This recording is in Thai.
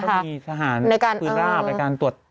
ก็มีสถานปืนราบในการตรวจ